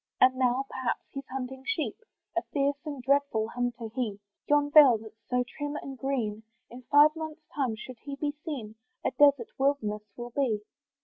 And now, perhaps, he's hunting sheep, A fierce and dreadful hunter he! Yon valley, that's so trim and green, In five months' time, should he be seen, A desart wilderness will be.